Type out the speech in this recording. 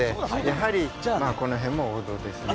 やはりこの辺も王道ですね。